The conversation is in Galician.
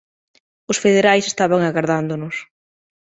Os federais estaban agardándonos.